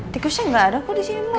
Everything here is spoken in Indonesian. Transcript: tikusnya nggak ada kok di sini